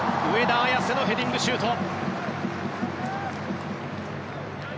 上田綺世のヘディングシュート。